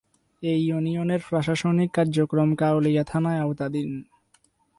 এ ইউনিয়নের প্রশাসনিক কার্যক্রম কাউনিয়া থানার আওতাধীন।